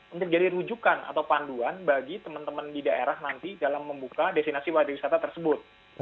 untuk jadi rujukan atau panduan bagi teman teman di daerah nanti dalam membuka destinasi wisata tersebut